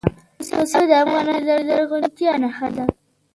پسه د افغانستان د زرغونتیا نښه ده.